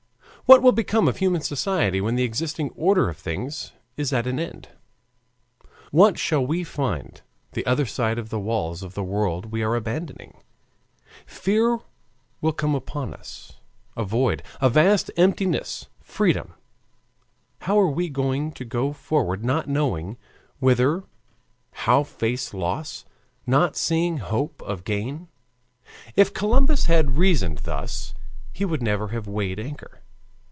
What will become of human society when the existing order of things is at an end? "What shall we find the other side of the walls of the world we are abandoning? "Fear will come upon us a void, a vast emptiness, freedom how are we to go forward not knowing whither, how face loss, not seeing hope of gain? ... If Columbus had reasoned thus he would never have weighed anchor.